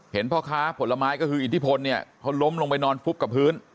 พ่อค้าผลไม้ก็คืออิทธิพลเนี่ยเขาล้มลงไปนอนฟุบกับพื้น